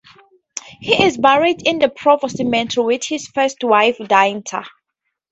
He is buried in the Provo Cemetery with his first wife Diantha.